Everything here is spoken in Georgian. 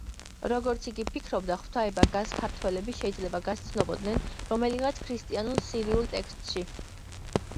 როგორც იგი ფიქრობდა, ღვთაება გას ქართველები შეიძლებოდა გასცნობოდნენ რომელიღაც ქრისტიანულ სირიულ ტექსტში.